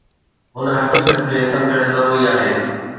هن حقيقت کي سمجهڻ ضروري آهي